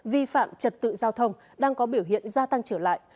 vi phạm trật tự giao thông đang có biểu hiện gia tăng trở lại